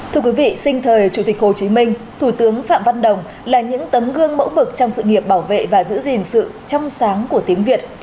thưa quý vị sinh thời chủ tịch hồ chí minh thủ tướng phạm văn đồng là những tấm gương mẫu mực trong sự nghiệp bảo vệ và giữ gìn sự trong sáng của tiếng việt